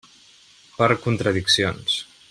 Per contradiccions.